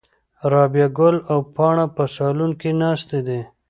رابعه ګل او پاڼه په صالون کې ناستې دي.